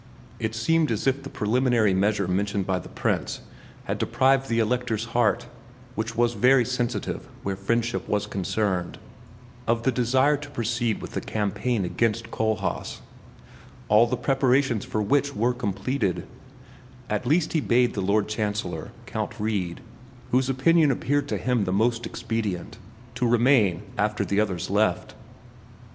It seemed as if the preliminary measure mentioned by the Prince had deprived the Elector's heart, which was very sensitive where friendship was concerned, of the desire to proceed with the campaign against Kohlhaas, all the preparations for which were completed; at least he bade the Lord Chancellor, Count Wrede, whose opinion appeared to him the most expedient, to remain after the others left.